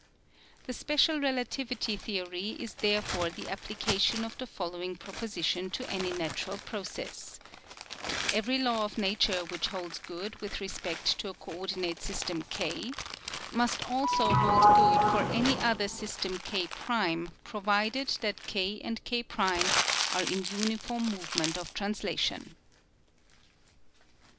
The special relativity theory is therefore the application of the fol lowing proposition to any natural process: " Every law of nature which holds good with respect to a coordinate system K must also hold good for any other system K' provided JAMJAKY 2, 1920] SCIENCE 9 that K and K' are in. uniform movement of translation."